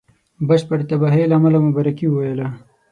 بشپړي تباهی له امله مبارکي وویله.